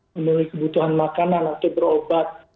memenuhi kebutuhan makanan atau berobat